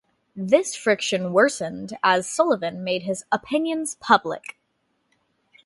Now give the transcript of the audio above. This friction worsened as Sullivan made his opinions public.